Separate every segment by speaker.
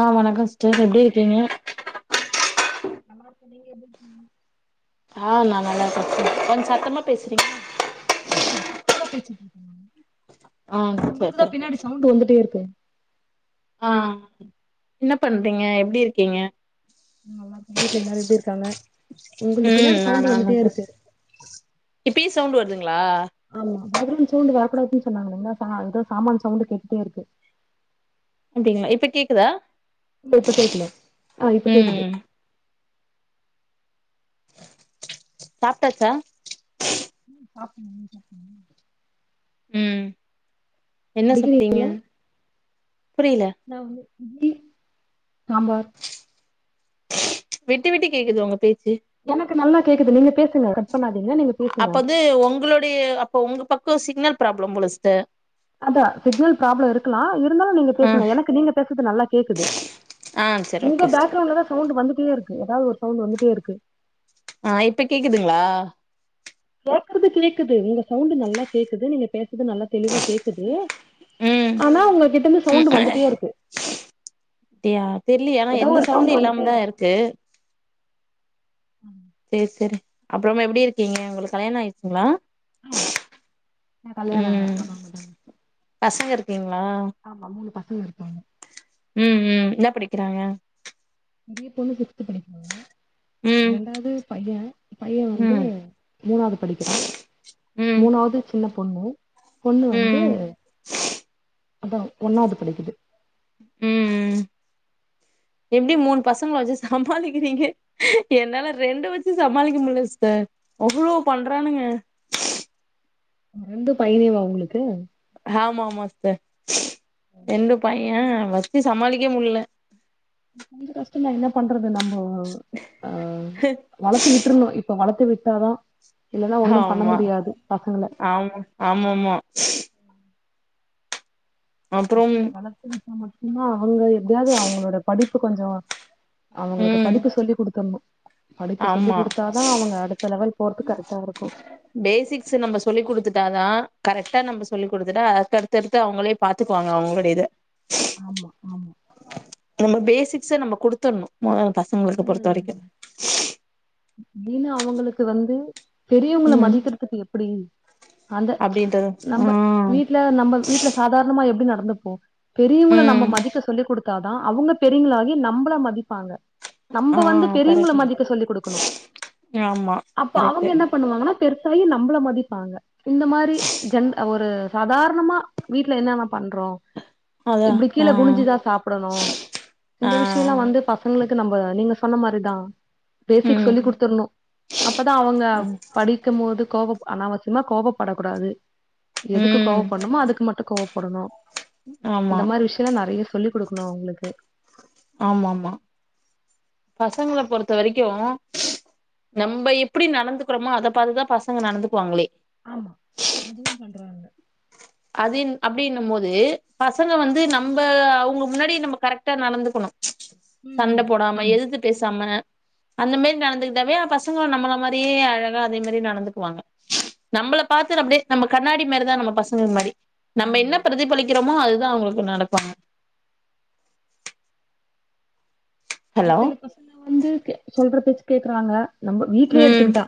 Speaker 1: ஆ வணக்கொ சிஸ்டர் எப்டி இருக்கீங்க
Speaker 2: [unintelligible] நீங்க எப்டி இருக்கீங்க
Speaker 1: ஆ நா நல்லா இருக்கே கொஞ்சோ சத்தமா பேசுறீங்
Speaker 2: ஆ சத்தமா தா பேசிட்ருக்கே
Speaker 1: ஆ சேர் சேரி
Speaker 2: உங்களுக்கு தா
Speaker 1: சொல்லுங்
Speaker 2: பின்னாடி சவுண்டு வந்துட்டே இருக்கு
Speaker 1: ஆ என்ன பண்றீங்க எப்டி இருக்கீங்க
Speaker 2: நல்லாருக்கோ உங்க வீட்டுல எல்லாரு எப்டி இருக்காங்க உங்களுக்கு
Speaker 1: ம்
Speaker 2: பின்னாடி சவுண்டு்
Speaker 1: நானா
Speaker 2: வந்துட்டே இருக்கு
Speaker 1: இப்பயு சவுண்டு வருதுங்களா
Speaker 2: ஆமா பேக்ரவுண்ட் சவுண்டு வரக்கூடாது அப்டின்னு சொன்னாங்கள்ல ஏதோ சாமான் சவுண்டு கேட்டுட்டே இருக்கு
Speaker 1: அப்டிங்களா இப்ப கேக்குதா
Speaker 2: இப்ப கேக்கல ஆ இப்ப கேக்குது
Speaker 1: ம் சாப்ட்டாச்சா
Speaker 2: சாப்ட்டே நீங்க சாப்ட்டீங்களா
Speaker 1: ம் என்ன சாப்ட்டீங்க
Speaker 2: படிக்கிறீங்களா
Speaker 1: புரியல
Speaker 2: நா வந்து இட்லி சாம்பார்
Speaker 1: விட்டு விட்டு கேக்குது உங்க பேச்சு
Speaker 2: எனக்கு நல்லா கேக்குது நீங்க பேசுங்க கட் பண்ணாதீங்க நீங்க பேசுங்க
Speaker 1: இது உங்களுடைய அப்ப உங்க பக்கோ சிக்னல் ப்ராப்ளோ போல சிஸ்டர்
Speaker 2: அதா சிக்னல் ப்ராப்ளோ இருக் கலா இருந்தாலு நீங்க பேசுங்க எனக்கு நீங்க பேசுறது நல்லா கேக்குது
Speaker 1: ஆ சரி ஓகே
Speaker 2: உங்க
Speaker 1: சிஸ்டர்
Speaker 2: பேக்ரவுண்ட்ல தா சவுண்டு வந்துட்டே இருக்கு எதாவது ஒரு சவுண்டு வந்துட்டே இருக்கு
Speaker 1: ஆ இப்ப கேக்குதுங்களா
Speaker 2: கேக்குறது கேக்குது உங்க சவுண்டு நல்லா கேக்குது நீங்க பேசுறது நல்லா தெளிவா கேக்குது
Speaker 1: ம்
Speaker 2: ஆனா உங்ககிட்ட இருந்து சவுண்டு வந்துட்டே இருக்கு
Speaker 1: அப்டியா தெரிலயே ஆனா
Speaker 2: ஏதோ
Speaker 1: எந்த
Speaker 2: ஒரு சவுண்ட்
Speaker 1: சவுண்டும்
Speaker 2: வந்துட்டே
Speaker 1: இல்லாமதா இருக்கு சேரி சேரி அப்புறமா எப்டி இருக்கீங்க உங்களுக்கு கல்யாணோ ஆயிடுச்சுங்களா
Speaker 2: ஆ எனக்கு கல்யாணோ
Speaker 1: ம்
Speaker 2: [unintelligible]
Speaker 1: பசங்க இருக்கீங்களா
Speaker 2: ஆமா மூணு பசங்க இருக்காங்க
Speaker 1: ம் ம் என்ன படிக்கிறாங்க
Speaker 2: பெரிய பொண்ணு ஃபிப்து படிக்கிறா
Speaker 1: ம்
Speaker 2: ரெண்டாவது பையே பையன் வந்து
Speaker 1: ம்
Speaker 2: மூணாவது படிக்கிறா
Speaker 1: ம்
Speaker 2: மூணாவது சின்ன பொண்ணு பொண்ணு வந்து
Speaker 1: ம்
Speaker 2: அதா ஒன்னாவது படிக்குது
Speaker 1: ம் எப்டி மூணு பசங்க வச்சு சமாளிக்கிறீங்க என்னால ரெண்டு வச்சு சமாளிக்க முடில சிஸ்டர் அவ்ளோ பண்றானுங்க
Speaker 2: ரெண்டு பையனுங்களா உங்களுக்கு
Speaker 1: ஆமா ஆமா சிஸ்டர் ரெண்டு பையே வச்சு‌ சமாளிக்க முடில
Speaker 2: கொஞ்சோ கஷ்ட தா என்ன பண்றது நம்போ ஆ
Speaker 1: ஹ
Speaker 2: வளத்து விட்டுருணு இப்போ வளத்து விட்டாதா இல்லன ஒண்ணு பண்ண முடியாது பசங்கள
Speaker 1: ஆமா ஆமா ஆமா அப்புறம்
Speaker 2: பசங்கள வளத்து விட்டா மட்டுதா அவுங்க எப்டியாது அவுங்களோட படிப்பு கொஞ்சோ அவுங்களுக்கு
Speaker 1: ம்
Speaker 2: படிப்பு சொல்லி குடுத்துர்ணு படிப்பு சொல்லி
Speaker 1: ஆமா
Speaker 2: குடுத்தாதா அவுங்க அடுத்த லெவல் போறதுக்கு கரெக்டா இருக்கு
Speaker 1: பேசிக்ஸ் நம்ம சொல்லி குடுத்துட்டாதா கரெக்டா நம்ம சொல்லி குடுத்துட்டா அடுத்து அடுத்து அடுத்து அவுங்களே பாத்துக்குவாங்க அவுங்களோடைய இத
Speaker 2: ஆமா ஆமா
Speaker 1: நம்ம பேசிக்ஸ்ஸ நம்ம குடுத்துர்ணு மொதல பசங்களுக்கு பொறுத்த வரைக்கு
Speaker 2: தின அவுங்களுக்கு வந்து பெரியவுங்கள
Speaker 1: ம்
Speaker 2: மதிக்கிறதுக்கு எப்டி அந்த
Speaker 1: அப்டின்றது ஆ
Speaker 2: நம்ம வீட்ல நம்ம வீட்ல சாதாரணமா எப்டி நடந்துப்போ பெரியவுங்கள நம்ம
Speaker 1: ம்
Speaker 2: மதிக்க சொல்லிக் குடுத் தா தா அவுங்க பெரியவுங்களாகி நம்மள மதிப்பாங்க
Speaker 1: ஆ
Speaker 2: நம்ம வந்து பெரியவுங்க மதிக்க சொல்லிக் குடுக்கணு
Speaker 1: யா மா
Speaker 2: அப்ப அவுங்க என்ன பண்ணுவாங்கனா பெருசாயி நம்பள மதிப்பாங்க இந்த மாரி ஜென் ஒரு சாதாரணமா வீட்ல என்னன்ன பண்றோ
Speaker 1: அதா
Speaker 2: இப்டி கீழ
Speaker 1: ஆ
Speaker 2: குனிஞ்சுதா சாப்டணு
Speaker 1: ஆ
Speaker 2: இந்த விஷயெல்லா வந்து பா பசங்களுக்கு நம்ம நீங்க சொன்ன மாரிதா சிக்ஸ் சொல்லி
Speaker 1: ம்
Speaker 2: குடுத்துர்ணு அப்பதா அவுங்க படி இருக்கு போது கோபப் அனாவசியமா கோபப்படக் கூடாது எதுக்கு
Speaker 1: ம்
Speaker 2: கோபப் படணுமோ அதுக்கு மட்டு கோவப்படணு
Speaker 1: ஆமா
Speaker 2: இந்த மாரி விஷய எல்லா நெறைய சொல்லி குடுக்கணு அவுங்களுக்கு
Speaker 1: ஆமாமா பசங்கள பொறுத்த வரைக்கு நம்ம எப்டி நடந்துக்கிறோமோ அத பாத்துதா பசங்க நடந்துக்குவாங்களே
Speaker 2: ஆமா அதுவு பண்றாங்க
Speaker 1: அது இன் அப்டின்னு போது பசங்க வந்து நம்ப அவுங்க முன்னாடி நம்ம கரெக்ட் டா நடந்துக்குணு சண்ட போடாம எதுத்து பேசாம அந்த மாரி நடந்துகிட்டாவே பசங்களு நம்மள மாரியே அழகா அதே மாரியே நடந்துக்குவாங்க நம்மள பாத்து டு அப்டியே நம்ம கண்ணாடி மாரிதா நம்ம பச அந்த மாரி நம்ம என்ன பிரதிபலிக்கிறோமோ அதுதா அவுங்களுக்கு நடக்குவாங்க
Speaker 2: ஒரு
Speaker 1: ஹலோ
Speaker 2: சில பசங்க வந்து கே சொல்ற பேச்சு கேக்குறாங்க நம்ம வீட்லயே
Speaker 1: ம்
Speaker 2: எடுத்துக்கிட்டா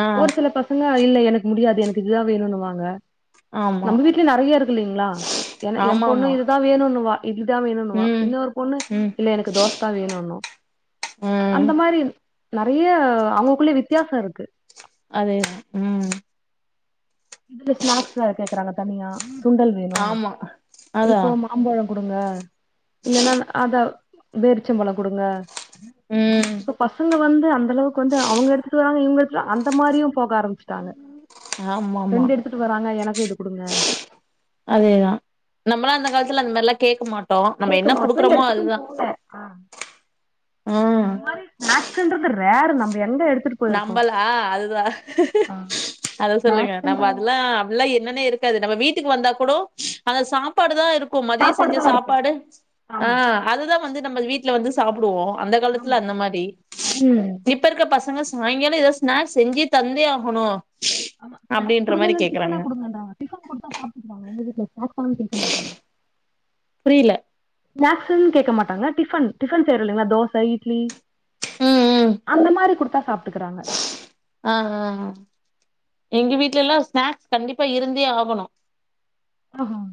Speaker 1: ஆ
Speaker 2: ஒரு சில ப ஸ் சங்களா இல்ல எனக்கு முடியாது எனக்கு இதுதா வேணுனு வாங்க
Speaker 1: ஆமா
Speaker 2: நம்ம வீட்லயே நெறைய இருக்கு இல்லைங்களா ஏனா எ பொண்ணு
Speaker 1: ஆமாமா
Speaker 2: இதுதா வேணுனுவா இட்லி தா வேணுனுவா
Speaker 1: ம்
Speaker 2: இன்னொரு பொண்ணு
Speaker 1: ம்
Speaker 2: இல்ல எனக்கு தோச தா வேணுனு
Speaker 1: ம்
Speaker 2: அந்த மாரி நெறைய அவுங்கக்குள்ளயே வித்தியாச இருக்கு
Speaker 1: அதே தா ம்
Speaker 2: இதுல ஸ்நாக்ஸ் வேற கேக்குறாங்க தனியா சுண்டல் வேணு
Speaker 1: ஆமா அதா
Speaker 2: அம்பழோ குடுங்க இல்லன்னா நா அதா பேரிச்சம்பழ குடுங்க
Speaker 1: ம்
Speaker 2: இப்ப பசங்க வந்து அந்த அளவுக்கு வந்து அவுங்க எடுத்துட்டு வராங்க இவுங்க எடுத்துட்டு அந்த மாரியு போக ஆரம்பிச்சுட்டாங்க
Speaker 1: ஆமாமா
Speaker 2: ஃப்ரெண்டு எடுத்துட்டு வராங்க எனக்கு இது குடுங்க
Speaker 1: அதேதா நம்மளா அந்த காலத்துல அந்த மாரிலா கேக்க மாட்
Speaker 2: கேக்கு மாட்டு மொபைல் எடுத்துட்டும் போல ஆ யாரு நார்த்துன்றது ரேரு நம்ப எங்க எடுத்துட்டு போயிருக்கோ
Speaker 1: நம்பலா அதுதான்
Speaker 2: ஆ
Speaker 1: அத சொல்லுங்க நம்ம அதெல்லாம் ஃபுல்ல என்னன்னே இருக்காது நம்ம வீட்டுக்கு வந்தா கூடொ அந்த சாப்பாடு தான் இருக்கும் மதியம் செஞ்ச சாப்பாடு ஆ அதுதான் வந்து நமது வீ ட்ல வந்து சாப்டுவோம் அந்த காலத்துல அந்த மாரி
Speaker 2: ம்
Speaker 1: இப்ப இருக்க பசங்க சாய்ங்காலொ எதோ ஸ்நாக்ஸ் செஞ்சே தந்தே ஆகணும்
Speaker 2: ஆமா நா குடுங்கலன் டிஃபனா குடுங்கடா டிஃபன் குடுத்தா சாப்ட்டுக்குவாங்க எங்க வீட்ல ஸ்னாக்ஸ் தானு கேக்க மாட்டாங்க
Speaker 1: புரில
Speaker 2: ஸ்னாக்ஸுன் கேக்க மாட்டாங்க டிஃபன் டிஃபன் செய்யரோம்ல இல்லைங்க தேச இட்லி
Speaker 1: ம் ம்
Speaker 2: அந்த மாரி குடுத்தா சாப்ட்டுக்குறாங்க
Speaker 1: ஆ ஆ எங்க வீடலல்லாம் ஸ்னாக்ஸ் கண்டிப்பா இருந்தே ஆகணும்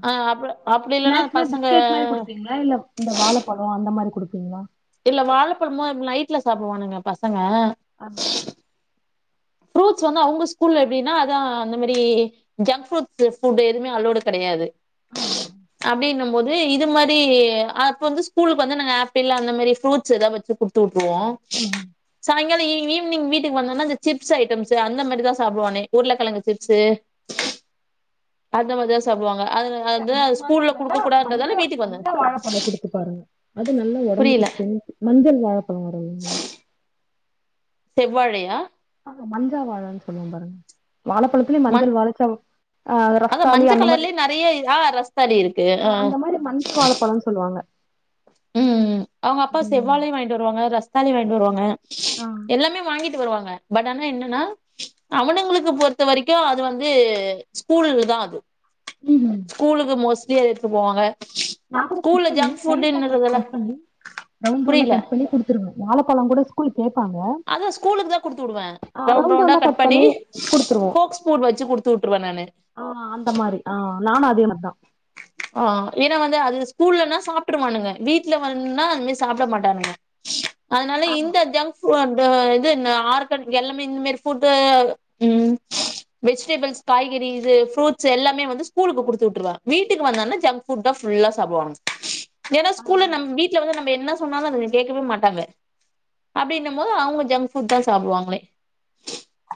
Speaker 1: ஆ அப்றொ அப்டி இல்லன்னா பசங்க
Speaker 2: வேற என்ன இந்த வாழப்பழம் அந்த மாரி குடுப்பீங்ளா
Speaker 1: இல்ல வாழப்பழமோ நைட்ல சாப்டுவானுங்க பசங்க
Speaker 2: ஆ
Speaker 1: ஃப்ரூட்ஸ் வந்து அவுங்க ஸ்கூல்ல எப்டின்னா அதான் அந்த மாரி ஜங்க் ஃப்ரூட் ஃபு ஃபுட் எதுவுமே அளோட் கெடையாது அப்டின்னும் போது இது மாரி அப்ப வந்து ஸ்கூலுக்கு வந்து நாங்க ஆப்பிள் அந்த மாரி ஃப்ரூட்ஸ் எதா வச்சு கொடுத்து விட்ருவோம்
Speaker 2: ஆ
Speaker 1: சாய்ங்காலம் ஈ ஈவினிங் வீட்டுக்கு வந்தோன்ன அந்த சிப்ஸ் ஐட்டம்ஸ் அந்த மாரிதா சாப்டுவானே உருளக்கிழங்கு சிப்ஸு அந்த மாரிதான் சாப்டுவாங்க அதுல
Speaker 2: நீங்க அந்த மாரிக்கு பதில்லா மஞ்ச மஞ்ச
Speaker 1: வந்தது
Speaker 2: வாழப்பழம் குடுத்து பாருங்க அது நல்லா
Speaker 1: புரியல
Speaker 2: ஒடம்புக்கு ஸ்ட்ரென்த் மஞ்சள் வாழப்பழம் வரும் இல்லைங்ளா
Speaker 1: செவ்வாழையா
Speaker 2: ஆகா மஞ்சா வாழன்னு சொல்லுவோம் பாருங்க வாழப்பழத்துலயும்
Speaker 1: மஞ்
Speaker 2: மஞ்சள் வாழ செவ் அ
Speaker 1: அதா
Speaker 2: ரஸ்தாலி
Speaker 1: மஞ்ச
Speaker 2: அந்த மாரி
Speaker 1: கலர்லயே நெறைய ஆ ரஸ்தாளி இருக்கு
Speaker 2: ஆ அந்த மாரி மஞ்ச வாழப்பழம்னு சொல்லுவாங்க
Speaker 1: ம் அவுங்க அப்பா செவ்வாழையும் வாங்கிட்டு வருவாங்க ரஸ்தாலி வாங்கிட்டு வருவாங்க
Speaker 2: ஆ
Speaker 1: எல்லாமே வாங்கிட்டு வருவாங்க பட் ஆனா என்னன்னா அவனுங்களுக்கு பொறுத்த வரைக்கும் அது வந்து ஸ்கூலுக்கு தான் அது
Speaker 2: ம் ம்
Speaker 1: ஸ்கூலுக்கு மோஸ்ட்லி அது எடுத்து போவாங்க
Speaker 2: நா கூட கட்
Speaker 1: ஸ்கூல்ல
Speaker 2: பண்ணி
Speaker 1: ஜங்க்
Speaker 2: சைசா
Speaker 1: ஃபுட்ன்றதுல
Speaker 2: கட் பண்ணி ரவுண்ட் ரவுண்டா
Speaker 1: புரியல
Speaker 2: கட் பண்ணி குடுத்துருவேன் வாழப்பழம் கூட ஸ்கூல் கேப்பாங்க
Speaker 1: அத ஸ்கூலக்கு தா குடுத்து விடுவேன் ரவுண்ட் ரவுண்டா கட் பண்ணி ஃபோக் ஸ்பூன் வச்சு குடுத்து விட்டுருவேன் நானு
Speaker 2: ஆ அந்த மாரி தா நானும் அதேமாரி தா
Speaker 1: ஆ ஏன்னா வந்து அது ஸ்கூல்லனா சாப்ட்டுருவானுங்க வீட்ல வந்தா அது மாரி சாப்ட மாட்டானுங்க அதுனால
Speaker 2: ஆமா
Speaker 1: இந்த ஜங் உ அந்த இது ஆர்கன் எல்லாமே இந்த மாரி ஃபுட்டு ம் வெஜிடேபிள்ஸ் காய்கறி இது ஃப்ரூட்ஸ் எல்லாமே வந்து ஸ்கூலுக்கு குடுத்து விட்டுருவேன் வீ ட்டுக்கு வந்தானே ஜங்க்ஃபுட் தா ஃபுல்லா சாப்டுவானுங்க ஏன்னா
Speaker 2: ஆ
Speaker 1: ஸ்கூல்ல நம்ம வீட்டு வீட்ல வந்து நம்ப என்ன சொன்னாலும் அதுங்க கேக்கவே மாட்டாங்க அப்டின்னுமோது அவுங்க ஜங்க் ஃபுட் தா சாப்டுவாங்களே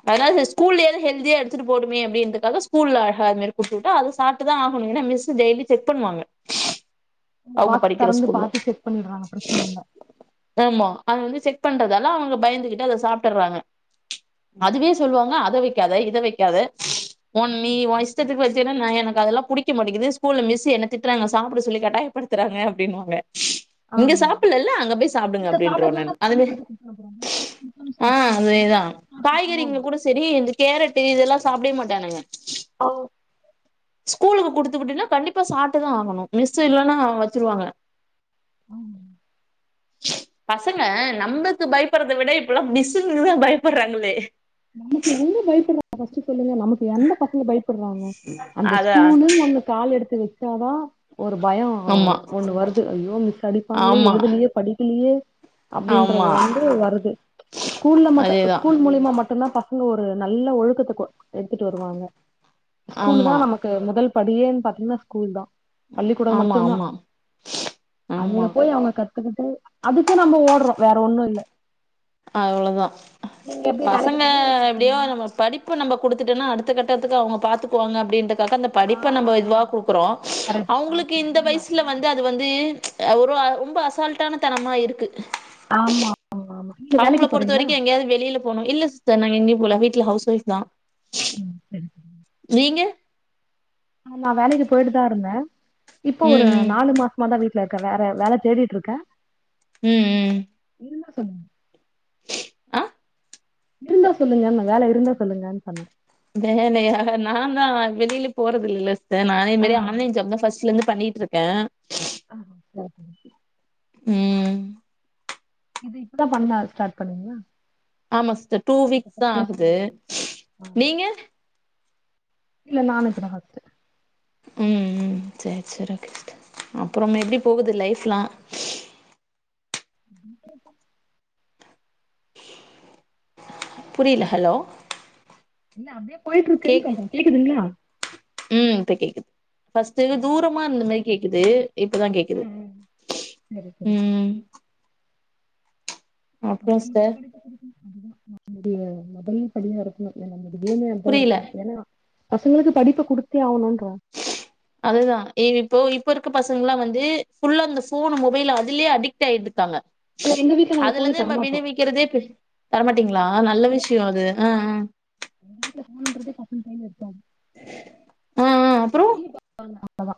Speaker 1: அதனால ஸ்கூல்லயாவது ஹெல்தியா எடுத்துட்டு போவட்டுமே அப்டின்றதுக்காக ஸ்கூல்ல அழகா அது மேரி குடுத்து உட்டு அத சாப்ட்டு தா ஆகணும் இல்லனா மிஸ் டெய்லி செக் பண்ணுவாங்க
Speaker 2: ஆமா
Speaker 1: அவங்க
Speaker 2: பாக்ஸ்
Speaker 1: படிக்கிற
Speaker 2: தெறந்து பாத்து செக் பண்ணிடறாங்க பிரச்சன‌ இல்ல
Speaker 1: ஆம அத வந்து செக் பண்றதால அவுங்க பயந்துகிட்டு அத சாப்பட்டறாங்க அதுவே சொல்லுவாங்க அத வக்காத இத வக்காத ஒன் நீ ஓ இஷ்டத்துக்கு வச்சின நா எனக்கு அதல்லா புடிக்க மாட்டிங்கிது ஸ்கூல்ல மிஸ்ஸு என்ன திட்டறாங்க சாப்ட சொல்லி கட்டாயப்படுத்தறாங்க அப்டின்னுவாங்க
Speaker 2: ஆ
Speaker 1: இங்க சாப்பல இல்ல அங்க போயி சாப்டுங்க அப்டின்றுவ நானு அது மேரி ஆ அதே தா காய்கறிங்க கூட செரி இந்த கேரட்டு இதல்லா சாப்படவே மாட்டானுங்க
Speaker 2: ஓ
Speaker 1: ஸ்கூலுக்கு குடுத்து விட்டன்னா கண்டிப்பா சாப்ட்டுதா ஆகணு மிஸ்ஸு இல்லன்னா வச்சிருவாங்க
Speaker 2: ம்
Speaker 1: பசங்க நம்மக்கு பயப்பறத விட இப்பல்லா மிஸ்ஸுங்களுக்கு தா பயப்பறாங்களே
Speaker 2: நமக்கு எங்க பயப்பறாங்க ஃபஸ்ட்டு சொல்லுங்க நமக்கு எந்த பசங்க பயப் பறாங்க அந்த
Speaker 1: அதா
Speaker 2: ஸ்கூலுன் ஒண்ணு கால் எடுத்து வச்சாதா ஒரு பயம்
Speaker 1: ஆமா
Speaker 2: ஒண்ணு வருது ஐயோ மிஸ் அடிப்பாங்களே
Speaker 1: ஆமா
Speaker 2: எழுதுலயே படிக்கலயே
Speaker 1: ஆமா
Speaker 2: அப்டின்றது வந்து வருது ஸ்கூல்ல மட்டும்
Speaker 1: அதேதா
Speaker 2: ஸ்கூல் மூலியமா மட் டுந்தான் பசங்க ஒரு நல்ல ஒழுக்கத்த கொ எடுத்துட்டு வருவாங்க ஸ்கூலு தா
Speaker 1: ஆமா
Speaker 2: நம க்கு முதல் படியேன் பாத்தீங்கன்னா ஸ்கூல்தா பள்ளிக்கூடம்
Speaker 1: ஆமா
Speaker 2: மட்டுந்தா
Speaker 1: ஆமா
Speaker 2: அங்க
Speaker 1: ஆமா
Speaker 2: போயி அவங்க கத் துக்கிட்டு அதுக்கு நம்ம ஓடறோ வேற ஒண்ணும் இல்ல
Speaker 1: அவ்ளோதா பசங்க எப்டியோ நம்ம படிப்ப நம்ப குடுத்துட்டன்னா அடுத்தக்கட்டத்துக்கு அவங்க பாத்துக்குவாங்க அப்டின்றக்காக அந்த படிப்ப நம்ப இதுவா குடு க்கறோம் அவங்களுக்கு இந்த வயசுல வந்து அது வந்து ஒரு ரொம்ப அசால்ட் டான தனமா இருக்கு
Speaker 2: ஆமா ஆமா ஆமா
Speaker 1: அவங்கள பொருத்த வரைக்கும் எங்கயாவது வெளியில போணு இல்ல சிஸ்டர் நாஙாக எங்கியும் போல வீட்ல ஹவுஸ் ஒய்ஃப் தா
Speaker 2: ம் செரி செரி
Speaker 1: நீங்க
Speaker 2: ஆமா வேலைக்கு போயிட்டு தா இருந்தன் இப்போ ஒரு
Speaker 1: ம் ம்
Speaker 2: நாலு மா சம்மா தா வீட்ல இருக்க வேற வேல தேடிட்டு இருக்கன்
Speaker 1: ம் ம்
Speaker 2: இருந்தா சொல்லுங்க
Speaker 1: ஆ
Speaker 2: இருந்தா சொல்லுங்கன்ன வேல இருந்தா சொல்லுங்கன் சொன்ன
Speaker 1: வேலையா நாதா வெளில போறதில்ல இல்ல த நானே இந்த
Speaker 2: ஆ.
Speaker 1: மேரி ஆன்லைன் ஜாப் தா ஃபஸ்ட்ல இருந்து பண்ணிட்டு இருக்கே
Speaker 2: ஆ செரி
Speaker 1: ம்
Speaker 2: இது இப்பதா பண்ணா ஸ்டாட் பண்ணீங்களா
Speaker 1: ஆமா சிஸ்டர் டூ
Speaker 2: இத
Speaker 1: வீக்ஸ் தா
Speaker 2: பத்தி
Speaker 1: ஆகுது
Speaker 2: பேசக்கூடாதா?
Speaker 1: நீங்க
Speaker 2: இல்ல நானு இப்ப தா ஃபஸ்ட்டு
Speaker 1: உம் ம் சேர் சேர் ஓக்கே அப்பறம் எப்டி போகுது லைஃப்ல்லா
Speaker 2: [inaudible]
Speaker 1: புரியில ஹலோ
Speaker 2: இல்ல அப்டே போய்ட்ருக்குன்
Speaker 1: கேக்
Speaker 2: சொல்ற கேக்குதுங்ளா
Speaker 1: ம் இப்ப கேக்குது ஃபஸ்ட்டு தூரமார்ந்த மரி கேக்குது இப்பதா கேக்குது
Speaker 2: சரி, சரி, சரி.
Speaker 1: ம்
Speaker 2: [inaudible]
Speaker 1: அப்புறோ சிஸ்டர்
Speaker 2: அப்படியாருக்கு ஏ நம்ப திடீர்னு
Speaker 1: புரியல
Speaker 2: அதாருக்கு ஏன்னா பசங்களுக்கு படிப்ப குடுத்தே ஆவுணுன்ற
Speaker 1: அதுதா இப்போ இருக்க பசங்லா வந்து ஃப்புல்லா அந்த ஃபோனு மொபைலு அதுலே அடிக்ட் ஆயிட்ருக்காங்க
Speaker 2: ஆனா எங்க வீட்ல நாங்க ஃபோன
Speaker 1: அதுலந்து நம்ம
Speaker 2: தரமாட்டோம்.
Speaker 1: விடுவிக்கிறதே பெரிய தரமாட்டீங்ளா நல்ல விஷயோ அது ஆ
Speaker 2: எங்க வீட்ல ஃபோனுன்றதே பசங்க கைல இர்க்காது
Speaker 1: ஆ ஆ அப்புறோ
Speaker 2: டி வி பாப்பாங்க ஆமா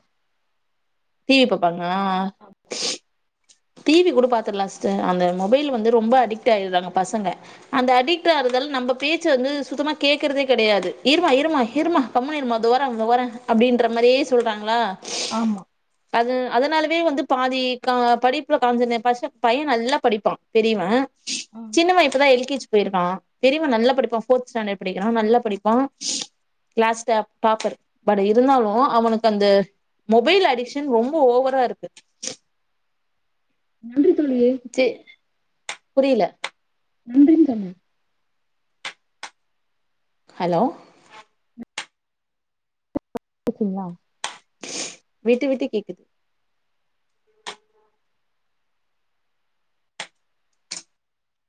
Speaker 1: டி வி பாப்பாங்க அ டி வி குட பாத்துட்லா சிஸ்டர் அந்த மொபைல் வந்து ரொம்ப அடிக்ட் ஆயிற்றாங்க பசங்க அந்த அடிக்ட் ஆறதால நம்ப பேச்ச வந்து சுத்தமா கேக்குறதே கெடையாது இரும்மா இரும்மா இரும்மா கம்முனுர்மா தோ வர தோ வர அப்டின்ற மரியே சொல்றாங்களா
Speaker 2: ஆம்மா
Speaker 1: அது அதனாலவே வந்து பாதி க படிப் பறோ காஞ்சனேட் பர்ஸ பைய நல்லா படிப்பா பெரியவ சின்னவ இப்பதா எல் கே ஜி பொயிருக்கா பெரியவ நல்ல படிப்பா ஃபோர்த் ஸ்டாண்டர்ட் படிக்கிறா நல்ல படிப்பா கிளாஸ் டாப் டாப்பர் பட் இருந்தாலு அவனுக்கு அந்த மொபைல் அடிஷன் ரொம்ப ஓவரா இருக்கு
Speaker 2: நன்றி தோழியே
Speaker 1: ச்சி புரியில
Speaker 2: நன்றின்சொன்ன
Speaker 1: ஹலோ
Speaker 2: கூப்டிங்ளா
Speaker 1: விட்டு விட்டு கேக்குது